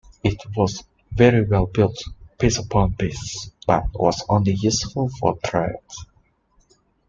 It was very well built, piece upon piece, but was only useful for trade.